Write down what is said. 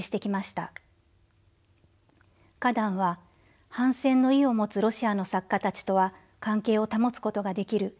カダンは「反戦の意を持つロシアの作家たちとは関係を保つことができる。